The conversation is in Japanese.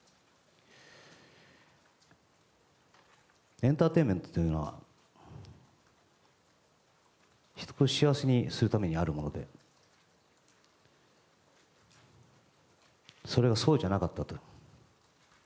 エンターテインメントというのは人を幸せにするためにあるものでそれがそうじゃなかったと。